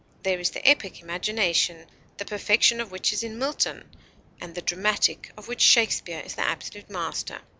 There is the epic imagination, the perfection of which is in Milton; and the dramatic, of which Shakspeare is the absolute master.